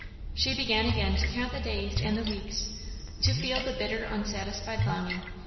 She began again to count the days and the weeks; to feel the bitter unsatisfied longing.